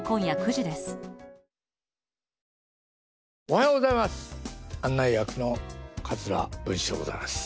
おはようございます！